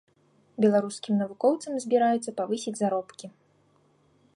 Беларускім навукоўцам збіраюцца павысіць заробкі.